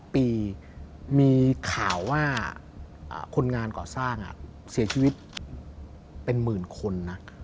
ปีมีข่าวว่าคนงานก่อสร้างเสียชีวิตเป็นหมื่นคนนะ